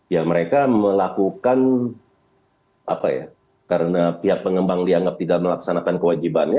ya mereka melakukan apa ya karena pihak pengembang dianggap tidak melaksanakan kewajibannya